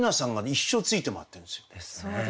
一生ついて回ってるんですよ。